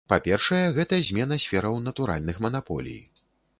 Па-першае, гэта змена сфераў натуральных манаполій.